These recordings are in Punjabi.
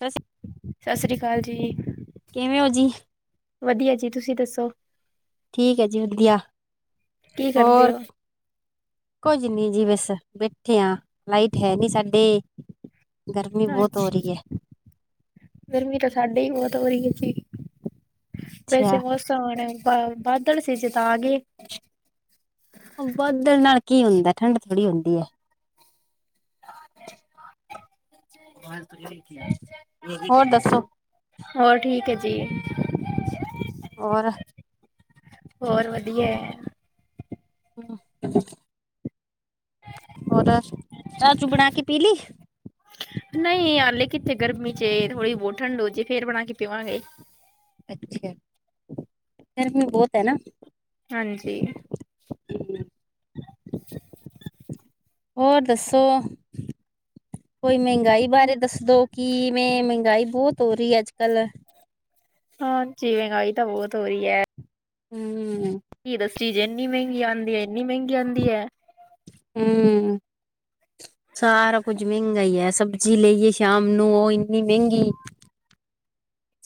ਤੁਸੀ ਸਤਿ ਸ੍ਰੀ ਅਕਾਲ ਜੀ ਕਿਵੇਂ ਹੋ ਜੀ? ਵਧੀਆ ਜੀ ਤੁਸੀਂ ਦੱਸੋ ਠੀਕ ਏ ਜੀ ਵਧੀਆ ਕੀ ਕਰਦੇ ਹੋਰ ਹੋ ਕੁੱਝ ਨੀ ਜੀ ਬਸ ਬੈਠੇ ਆ ਲਾਈਟ ਹੈ ਨੀ ਸਾਡੇ ਗਰਮੀ ਬਹੁਤ ਹੋ ਰਹੀ ਹੈ ਅੱਛਾ ਗਰਮੀ ਤਾਂ ਸਾਡੇ ਹੀ ਬਹੁਤ ਹੋ ਰਹੀ ਜੀ ਵੈਸੇ ਅੱਛਾ। ਮੌਸਮ ਹੁਣ ਬਾਦਲ ਸੀ ਜੇ ਤਾਂ ਆ ਗਏ ਬਾਦਲ ਨਾਲ ਕੀ ਹੁੰਦਾ ਠੰਡ ਥੋੜੀ ਹੁੰਦੀ ਏ ਹੋਰ ਦੱਸੋ [unintelligible] ਹੋਰ ਠੀਕ ਹੈ ਜੀ ਹੋਰ ਹੋਰ ਵਧੀਆ ਏ ਹਮ [unintelligible] ਹੋਰ ਚਾਹ ਚੂ ਬਣਾ ਕੇ ਪੀ ਲਈ ਨਹੀਂ ਆਲੇ ਕਿੱਥੇ ਗਰਮੀ ਚ ਥੋੜ੍ਹੀ ਬਹੁਤ ਠੰਡ ਹੋ ਜੇ ਫੇਰ ਬਣਾ ਕੇ ਪੀਵਾਂਗੇ ਅੱਛਾ ਗਰਮੀ ਬਹੁਤ ਏ ਨਾ ਹਾਂਜੀ ਹਮ ਹੋਰ ਦੱਸੋ ਕੋਈ ਮਹਿੰਗਾਈ ਬਾਰੇ ਦੱਸ ਦਉ ਕਿਵੇਂ ਮਹਿੰਗਾਈ ਬਹੁਤ ਹੋ ਰਹੀ ਹੈ ਅੱਜ -ਕੱਲ੍ਹ ਹਾਂਜੀ। ਮਹਿੰਗਾਈ ਤਾਂ ਬਹੁਤ ਹੋ ਰਹੀ ਏ। ਹੂ ਕੀ ਦੱਸਿਏ ਚੀਜ਼ ਇੰਨੀ ਮਹਿੰਗੀ ਆਂਉਦੀ ਇੰਨੀ ਮਹਿੰਗੀ ਆਉਂਦੀ ਹੈ। ਹੂ ਸਾਰਾ ਕੁੱਝ ਮਹਿੰਗਾ ਈ ਏ। ਸਬਜ਼ੀ ਲਈਏ ਸ਼ਾਮ ਨੂੰ ਉਹ ਇੰਨੀ ਮਹਿੰਗੀ।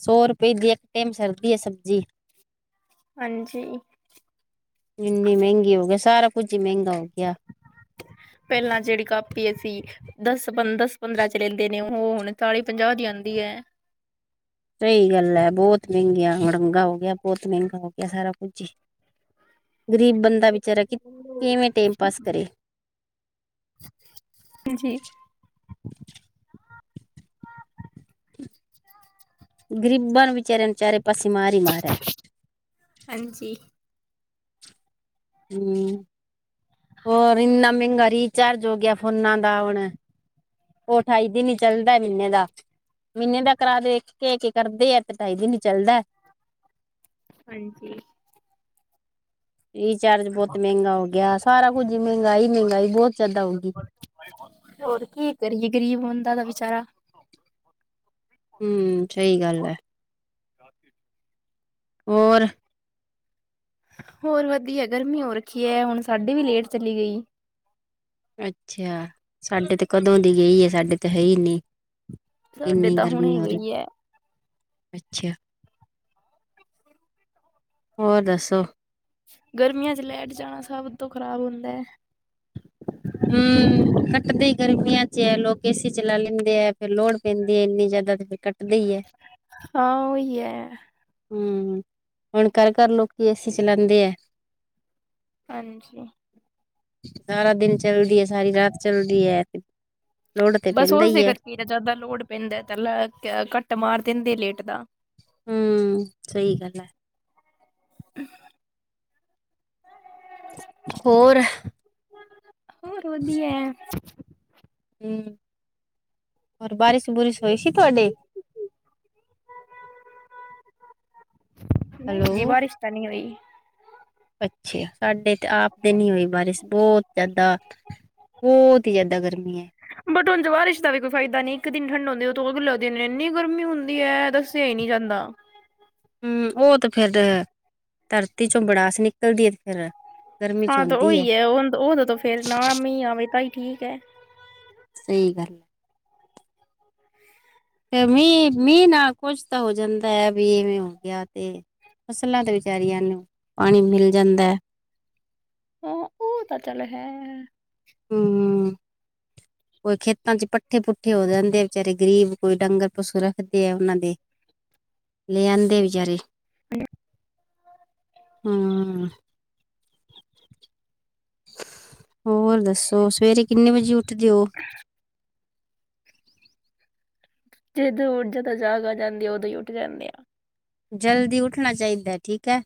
ਸੌ ਰੁਪਏ ਦੀ ਇੱਕ ਟਾਈਮ ਸਰਦੀ ਏ ਸਬਜ਼ੀ। ਹਾਂਜੀ। ਇੰਨੀ ਮਹਿੰਗੀ ਹੋ ਗਈ। ਸਾਰਾ ਕੁੱਝ ਹੀ ਮਹਿੰਗਾ ਹੋ ਗਿਆ। ਪਹਿਲਾਂ ਜਿਹੜੀ ਕਾਪੀ ਅਸੀ ਦਸ ਪੰ, ਦਸ- ਪੰਦਰਾਂ ਚ ਲੈਂਦੇ ਨੇ। ਉਹ ਹੁਣ ਚਾਲੀ ਪੰਜਾਹ ਦੀ ਆਦੀਏ। ਸਹੀ ਗੱਲ ਐ। ਬਹੁਤ ਮਹਿੰਗੀਆਂ ਮੜੰਗਾ ਹੋ ਗਿਆ। ਬਹੁਤ ਮਹਿੰਗਾ ਹੋ ਗਿਆ ਸਾਰਾ ਕੁੱਝ ਹੀ। ਗ਼ਰੀਬ ਬੰਦਾ ਵਿਚਾਰਾ ਕਿ ਹੈ ਕਿਵੇਂ ਟਾਈਮ ਪਾਸ ਕਰੇ। ਹਾਂਜੀ। ਗ਼ਰੀਬਾਂ ਨੂੰ ਵਿਚਾਰਿਆਂ ਨੂੰ ਚਾਰੇ ਪਾਸੇ ਮਾਰ ਹੀ ਮਾਰ ਐ। ਹਾਂਜੀ। ਹੂ। ਹੋਰ ਇੰਨਾ ਮਹਿੰਗਾ ਰੀਚਾਰਜ ਹੋ ਗਿਆ ਫੋਨਾਂ ਦਾ ਹੁਣ। ਉਹ ਅਠਾਈ ਦਿਨ ਹੀ ਚੱਲਦਾ ਮਹੀਨੇ ਦਾ। ਮਹੀਨੇ ਦਾ ਕਰਾ ਦੇਖ ਕੇ। ਇਹ ਕੀ ਕਰਦੇ ਐ ਤੇ ਅਢਾਈ ਦਿਨ ਹੀ ਚੱਲਦਾ। ਹਾਂਜੀ। ਰੀਚਾਰਜ ਬਹੁਤ ਮਹਿੰਗਾ ਹੋ ਗਿਆ ਸਾਰਾ ਕੁੱਝ ਮਹਿੰਗਾਈ- ਮਹਿੰਗਾਈ ਬਹੁਤ ਜ਼ਿਆਦਾ ਹੋਗੀ। ਹੋਰ ਕੀ ਕਰੀਏ ਗਰੀਬ ਬੰਦਾ ਤਾ ਵਿਚਾਰਾ। ਹੂ। ਸਹੀ ਗੱਲ ਐ। ਰਾਤੀ। ਹੋਰ। ਹੋਰ ਵਧੀਆ। ਗਰਮੀ ਹੋ ਰੱਖੀ ਹੈ। ਹੁਣ ਸਾਡੀ ਵੀ ਲੇਟ ਚਲੀ ਗਈ। ਅੱਛਾ। ਸਾਡੇ ਤੇ ਕਦੋਂ ਦੀ ਗਈ ਏ। ਸਾਡੇ ਤੇ ਹੈ ਹੀ ਨੀ। ਸਾਡੇ ਇੰਨੀ ਤਾਂ ਹੁਣੇ ਗਰਮੀ ਹੋ ਰਹੀ। ਗਈ ਐ, ਅੱਛਾ। ਹੋਰ ਦੱਸੋ। ਗਰਮੀਆਂ ਚ ਲੈਟ ਜਾਣਾ ਸਭ ਤੋਂ ਖ਼ਰਾਬ ਹੁੰਦਾ। ਹੂ। ਕੱਟਦੇ ਗਰਮੀਆਂ ਚ ਲੋਕ ਏਸੀ ਚਲਾ ਲੈਂਦੇ ਐ। ਫੇਰ ਲੋੜ ਪੈਂਦੀ ਹੈ ਇੰਨੀ ਜ਼ਿਆਦਾ ਤੇ ਫਿਰ ਕੱਟ ਹਾਂ। ਉਹੀਆ ਹੂ। ਹੁਣ ਘਰ -ਘਰ ਲੋਕੀ ਏਸੀ ਚਲਾਉਦੇ ਏ। ਹਾਂਜੀ। ਸਾਰਾ ਦਿਨ ਚੱਲਦੀ ਏ। ਸਾਰੀ ਰਾਤ ਚੱਲਦੀ ਏ। ਬਸ ਉਸਦੇ ਕਰਕੇ ਜ਼ਿਆਦਾ ਲੋੜ ਪੈਂਦਾ ਤਾਂ ਲਾ ਕਾ ਕੱਟ ਮਾਰ ਦਿੰਦੇ ਲੇਟ ਦਾ। ਹੂ। ਸਹੀ ਗੱਲ ਏ। [inaudible] ਹੋਰ ਹੋਰ ਵਧੀਆ। ਹੂ। ਹੋਰ ਬਾਰਿਸ਼- ਬੂਰਸ ਹੋਈ ਸੀ। ਤੁਹਾਡੇ ਹੈਲੋ ਜੀ ਬਾਰਿਸ਼ ਤਾ ਨਹੀਂ ਹੋਈ। ਅੱਛਾ। ਸਾਡੇ ਤੇ ਆਪ ਦੇ ਨੀ ਹੋਈ ਬਾਰਿਸ਼ ਬਹੁਤ ਜਿਆਦਾ ਬਹੁਤ ਈ ਜਿਆਦਾ ਗਰਮੀ ਏ। ਬਟ ਉਝ ਬਾਰਿਸ਼ ਦਾ ਵੀ ਕੋਈ ਫਾਇਦਾ ਨੀ। ਇੱਕ ਦਿਨ ਠੰਡਾ ਹੁੰਦੀ ਆ। ਉਸ ਤੋਂ ਅਗਲੇ ਦਿਨ ਇੰਨੀ ਗਰਮੀ ਹੁੰਦੀ ਆ ਦੱਸਿਆ ਨਹੀਂ ਜਾਂਦਾ। ਹੁ ਉਹ ਤੇ ਫਿਰ ਧਰਤੀ ਚੋਂ ਬੜਾਸ ਨਿਕਲਦੀ ਹੈ। ਤੇ ਫਿਰ ਹਾਂ ਤੇ ਉਹੀ ਹੈ ਉਹਦ ਉਦੋਂ ਫਿਰ, ਨਾ ਮੀਂਹ ਆਵੇ ਤਾਈ ਠੀਕ ਹੈ। ਸਹੀ ਗੱਲ ਹੈ। ਫ ਮੀਂਹ -ਮੀਂਹ ਨਾ ਕੁਛ ਤੋ ਹੋ ਜਾਂਦਾ ਹੈ ਵੀ ਇਵੇਂ ਹੋ ਗਿਆ ਤੇ ਫਸਲਾਂ ਤੇ ਵਿਚਾਰੀਆਂ ਨੂੰ, ਪਾਣੀ ਮਿਲ ਜਾਂਦਾ। ਹੁ ਉਹ ਤਾਂ ਚੱਲ ਹੈ। ਹੂ ਹੂ ਕੋਈ ਖੇਤਾਂ ਚ ਪੱਠੇ ਪੁੱਠੇ ਹੋ ਜਾਂਦੇ ਆ ਬਿਚਾਰੇ ਗਰੀਬ ਕੋਈ ਡੰਗਰ ਪਸੂ ਰੱਖਦੇ ਆ ਉਹਨਾਂ ਦੇ। ਲੇ ਆਂਦੇ ਵਿਚਾਰੇ ਹੁ, ਓਓਓਓ ਹੋਰ ਦੱਸੋ ਸਵੇਰੇ ਕਿੰਨੇ ਵਜੇ ਉੱਠਦੇ ਹੋ? [inaudible] ਜਦੋਂ ਉਠੋ ਤਾਂ ਜਾਗ ਆ ਜਾਂਦੀ ਆ, ਉਦੋਂ ਹੀ ਉੱਠ ਜਾਂਦੇ ਆ। ਜਲਦੀ ਉੱਠਣਾ ਚਾਹੀਦਾ ਐ ਠੀਕ ਐ।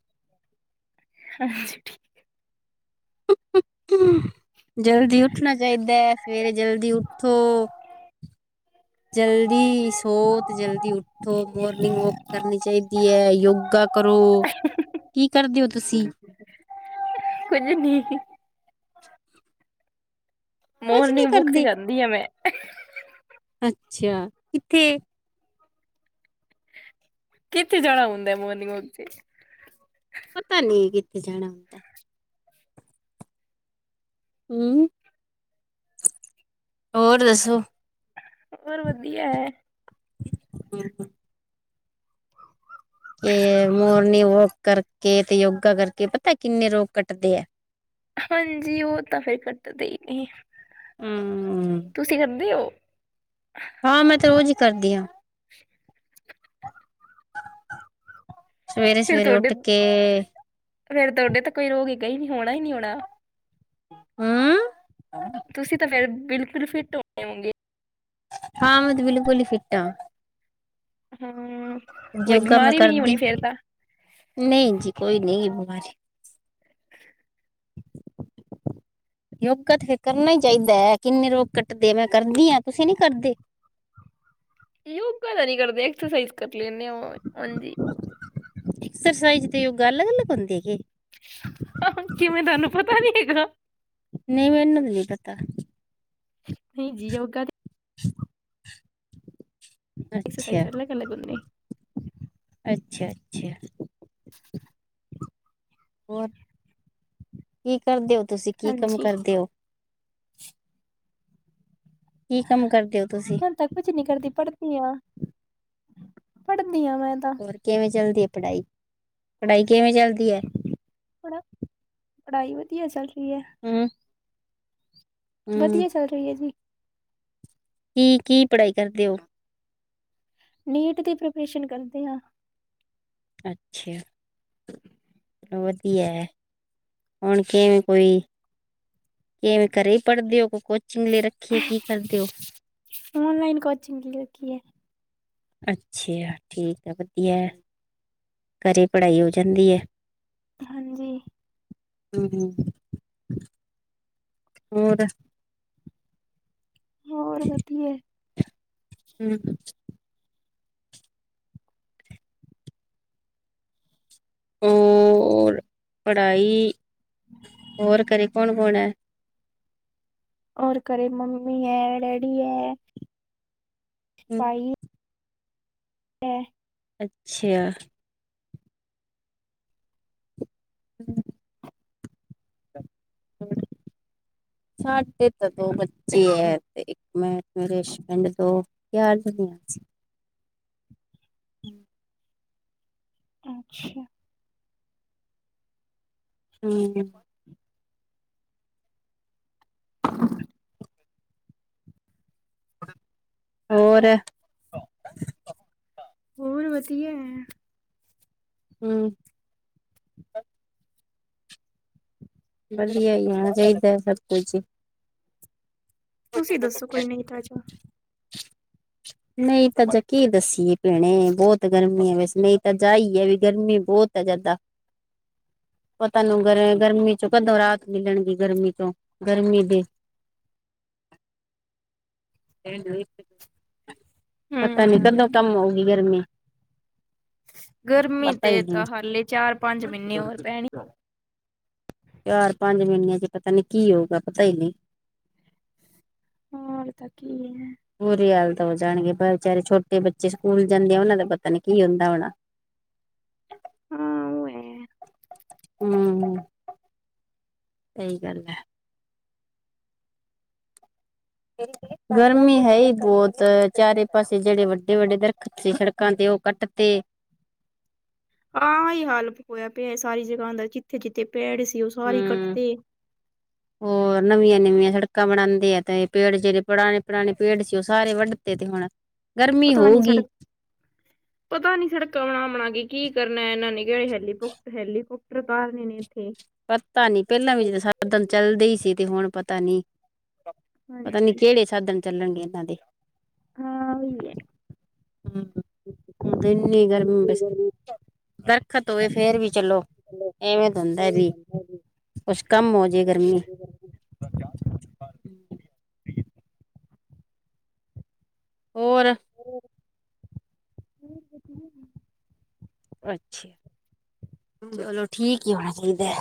[unintelligible] ਕਿਵੇਂ, ਜਲਦੀ ਉੱਠਣਾ ਚਾਹੀਦਾ ਹੈ ਸਵੇਰੇ ਜਲਦੀ ਉੱਠੋ। ਜਲਦੀ ਸੋਵੋ ਤੇ ਜਲਦੀ ਉੱਠੋ। ਉਠੋ ਮੋਰਨਿੰਗ ਵੋਕ ਕਰਨੀ ਚਾਹੀਦੀ ਹੈ ਯੋਗਾ ਕਰੋ। ਕੀ ਕਰਦੇ ਹੋ ਤੁਸੀਂ ਕੁੱਝ ਨੀ ਸੀ ਕੁਝ ਨੀ ਮੋਰਨਿੰਗ ਵੋਕ ਤੇ ਕਰਦੇ ਜਾਂਦੀ ਆਂ ਮੈਂ। ਅੱਛਾ ਕਿੱਥੇ ਕਿਥੇ ਜਾਣਾ ਹੁੰਦਾ ਮੋਰਨਿੰਗ ਵੋਕ ਤੇ। ਪਤਾ ਨੀ ਕਿੱਥੇ ਜਾਣਾ ਹੁੰਦਾ। ਹੂੰ ਹੋਰ ਦੱਸੋ। ਹੋਰ ਵਧੀਆ ਐ। ਏ, ਮੋਰਨਿੰਗ ਵੋਕ ਕਰਕੇ ਤੇ ਯੋਗਾ ਕਰਕੇ ਪਤਾ ਐ ਕਿੰਨੇ ਰੋਗ ਕੱਟਦੇ ਐ। ਹਾਂਜੀ ਉਹ ਤਾਂ ਫੇਰ ਕੱਟਦੇ ਈ ਨਈ। ਹੂ ਤੁਸੀਂ ਅੰਧੇ ਔ। ਹਾਂ ਮੈਂ ਤੇ ਰੋਜ਼ ਹੀ ਕਰਦੀ ਆ। ਸਵੇਰੇ ਸਵੇਰੇ ਉੱਠ ਕੇ। ਫੇਰ ਤੁਹਾਡੇ ਤਾਂ ਕੋਈ ਰੋਗੀ ਕੋਈ ਹੋਣਾ ਨਹੀਂ ਹੋਣਾ। ਹੂ। ਤੁਸੀਂ ਤੇ ਫਿਰ ਬਿਲਕੁਲ ਫਿੱਟ ਹੋਣੇ ਹੋਂਗੇ। ਹਾਂ ਮੈਂ ਤੇ ਬਿਲਕੁਲ ਈ ਫਿੱਟ ਆਂ। ਹੂੰ ਕੋਈ ਯੋਗਾ ਮੈਂ ਬਿਮਾਰੀ ਵੀ ਨਹੀਂ ਹੋਣੀ ਕਰਦੀ ਫਿਰ ਤਾਂ। ਨਹੀਂ ਜੀ ਕੋਈ ਨਹੀਂ ਬਿਮਾਰੀ। [inaudible] ਯੋਗਾ ਤੇ ਫੇਰ ਕਰਨਾ ਹੀ ਚਾਹੀਦਾ ਕਿੰਨੇ ਰੋਗ ਕੱਟਦੇ ਮੈਂ ਕਰਦੀ ਹਾਂ ਤੁਸੀਂ ਨੀ ਕਰਦੇ। ਯੋਗਾ ਤਾਂ ਨਹੀਂ ਕਰਦੇ ਐਕਸਰਸਾਈਜ਼ ਕਰ ਲੈਂਨੇ ਆ ਹਾਂਜੀ। ਐਕਸਰਸਾਈਜ਼ ਤੇ ਯੋਗਾ ਅਲੱਗ- ਅਲੱਗ ਹੁੰਦੀ ਹੈਗੀ। ਹਾਂ, ਕਿਵੇਂ ਤੁਹਾਨੂੰ ਪਤਾ ਨੀ ਹੈਗਾ। ਨਹੀਂ ਮੈਨੂੰ ਨੀ ਪਤਾ। ਨਹੀਂ ਜੀ ਯੋਗਾ ਤੇ। ਅੱਛਾ ਐਕਸਰਸਾਈਜ਼ ਕਰ ਲੈ ਕਰ ਲੈ ਗੁੰਨੇ ਅੱਛਾ- ਅੱਛਾ। ਹੋਰ, ਕੀ ਕਰਦੇ ਓ, ਤੁਸੀਂ ਕੀ ਕੰਮ ਹਾਂਜੀ ਕਰਦੇ ਓ? ਕੀ ਕੰਮ ਕਰਦੇ ਹੋ ਤੁਸੀਂ? ਮੈਂ ਤਾਂ ਕੁਛ ਨੀ ਕਰਦੀ, ਪੜ੍ਹਦੀ ਆ, ਪੜ੍ਹਦੀ ਹਾਂ ਮੈਂ ਤਾਂ। ਹੋਰ ਕਿਵੇਂ ਚੱਲਦੀ ਆ ਪੜ੍ਹਾਈ, ਪੜ੍ਹਾਈ ਕਿਵੇਂ ਚੱਲਦੀ ਐ? ਪੜ, ਪੜ੍ਹਾਈ ਵਧੀਆ ਚੱਲ ਰਹੀ ਐ। ਹੂੰ। ਹੂੰ ਵਧੀਆ ਚੱਲ ਰਹੀ ਏ ਜੀ। ਕੀ- ਕੀ ਪੜ੍ਹਾਈ ਕਰਦੇ ਓ? ਨੀਟ ਦੀ ਪ੍ਰਪੇਸ਼ਨ ਕਰਦੇ ਆ। ਅੱਛਾ। ਚਲੋ ਵਧੀਆ ਐ, ਹੁਣ ਕਿਵੇਂ ਕੋਈ ਕਿਵੇਂ ਘਰੇ ਪੜ੍ਹਦੇ ਓ, ਕੋ ਕੋਚਿੰਗ ਲੈ ਰੱਖੀ, ਕੀ ਕਰਦੇ ਓ? ਔਨਲਾਈਨ ਕੋਚਿੰਗ ਕੀ ਰੱਖੀ ਐ। ਅੱਛਾ ਠੀਕ ਆ ਵਧੀਆ ਐ, ਘਰੇ ਪੜ੍ਹਾਈ ਹੋ ਜਾਂਦੀ ਹੈ। ਹਾਂਜੀ। ਹੂੰ- ਹੂੰ, ਹੋਰ? ਹੋਰ ਵਧੀਆ। ਹੂੰ -ਹੂੰ। ਹੋਰ ਪੜ੍ਹਾਈ, ਹੋਰ ਘਰੇ ਕੌਣ -ਕੌਣ ਐ? ਔਰ ਘਰੇ ਮੰਮੀ ਐ, ਡੈਡੀ ਐ, ਭਾਈ ਐ। ਅੱਛਾ। [inaudible] ਸਾਡੇ ਤਾਂ ਦੋ ਬੱਚੇ ਐ ਤੇ ਇੱਕ ਮੈਂ। ਮੇਰੇ ਹਸਬੈਂਡ ਤੋਂ ਹੂ। ਅੱਛਾ! ਹੂੰ। [inaudible] ਹੋਰ? ਹੋਰ ਵਧੀਆ ਐ। ਹੂ। ਵਧੀਏ ਹੀ ਹੋਣਾ ਚਾਹੀਦਾ, ਸਭ ਕੁਝ। ਤੁਸੀਂ ਦੱਸੋ ਕੋਈ ਨਵੀਂ ਤਾਜ਼ੀ? ਨਈ ਤਾਂ ਅਜੇ ਕੀ ਦੱਸੀ ਏ ਭੈਣੇ, ਬਹੁਤ ਗਰਮੀ ਐ ਵੈਸੇ ਨਹੀਂ ਤਾਂ ਜਾਈ ਹੈ ਵੀ ਗਰਮੀ ਬਹੁਤ ਕੀਤਾ ਜਾਦਾ, ਪਤਾ ਨੀ ਗਰਮੀ ਚੋਂ ਕਦੋਂ ਰਾਹਤ ਮਿਲਣਗੀ ਗਰਮੀ 'ਚੋਂ ਗਰਮੀ ਦੇ ਪਤਾ ਨੀ ਕਦੋਂ ਹੂੰ, ਕਮ ਹੋਊਗੀ ਗਰਮੀ? ਗਰਮੀ ਪਤਾ ਹੀ ਦੇ ਨਹੀਂ ਤਾਂ ਹਾਲੇ ਚਾਰ- ਪੰਜ ਮਹੀਨੇ ਹੋਰ ਪੈਣੀ। ਚਾਰ -ਪੰਜ ਮਹੀਨਿਆਂ ਚ ਪਤਾ ਨੀ ਕੀ ਹੋਊਗਾ, ਪਤਾ ਹੀ ਨਹੀਂ? ਹੋਰ ਤਾਂ ਕੀ ਐ? ਬੁਰੇ ਹਾਲਤ ਹੋ ਜਾਣਗੇ, ਪਰ ਵਿਚਾਰੇ ਛੋਟੇ ਬੱਚੇ ਸਕੂਲ ਜਾਂਦੇ ਆ ਉਹਨਾਂ ਦਾ ਪਤਾ ਨੀ ਕੀ ਹੁੰਦਾ ਹੋਣਾ। ਹੂੰ, ਐ। ਹੂੰ -ਹੂੰ। ਸਹੀ ਗੱਲ ਹੈ। ਗਰਮੀ ਹੈ ਹੀ ਬੌਤ, ਚਾਰੇ ਪਾਸੇ ਜੇੜੇ ਵੱਡੇ-ਵੱਡੇ ਦਰਖਤ ਸੜਕਾਂ ਤੇ ਓਹ ਕੱਟ ਤੇ। ਆਂ, ਅਹੀ ਹਾਲਤ ਹੋਇਆ ਪਿਐ ਸਾਰੀ ਜਗ੍ਹਾਂ ਦਾ, ਕਿਥੇ- ਜਿੱਥੇ ਪੇੜ ਸੀ ਓਹ ਸਾਰੀ ਹਮ ਕੱਟਦੇ। [inaudible] ਹੋਰ, ਨਵੀਆਂ-ਨਵੀਆਂ ਸੜਕਾਂ ਬਣਾੰਦੇ ਆ ਤਾ ਏ ਪੇੜ ਜੇੜੇ ਪੁਰਾਣੇ-ਪੁਰਾਣੇ ਪੇੜ ਸੀ, ਓਹ ਸਾਰੇ ਵੱਢਤੇ ਤੇ ਹੁਣ ਗਰਮੀ ਪਤਾ ਨੀ ਹੋਊਗੀ ਸੜਕ [inaudible] ਪਤਾ ਨੀ ਸੜਕਾਂ ਬਣਾ-ਬਣਾ ਕੇ ਕੀ ਕਰਨਾ ਐਹਨਾਂ ਨੇ ਹੈਲੀਕੋਪ ਹੈਲੀਕੋਪਟਰ ਤਾਰਣੇ ਨੇ ਇੱਥੇ। ਪਤਾ ਨੀ, ਪੈਲਾਂ ਵੀ ਜਦ ਸਾਧਨ ਚੱਲਦੇ ਈ ਸੀ ਤੇ ਹੁਣ ਪਤਾ ਨੀ ਪਤਾ ਨੀ ਹਾਂਜੀ, ਕੇੜੇ ਸਾਧਨ ਚੱਲਣਗੇ, ਏਹਨਾਂ ਦੇ? ਹਾਂ, ਓਈ ਐ। ਹੂੰ, ਦਿਨੀ ਗਰਮੀ ਬਸ ਦਰਖਤ ਹੋਏ ਫੇਰ ਵੀ ਚਲੋ, ਏਵੇਂ ਤੇ ਹੁੰਦੈ ਐਵੀ ਕੁਛ ਕਮ ਹੋਜੇ ਗਰਮੀ। ਹੋਰ ਹੋਰ [unintelligible] ਅੱਛਾ, ਚਲੋ ਠੀਕ ਈ ਹੋਣਾ ਚਾਈਦੈ।